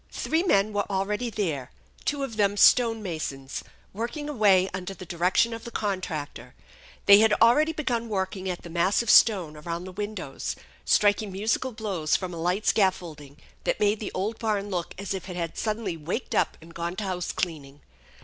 Three men were already there, two of them stone masons, working away under the direction of the contractor. Thej had already begun working at the massive stone around the windows, striking musical blows from a light scaffolding that made the old barn look as if it had suddenly waked up and gone to house cleaning.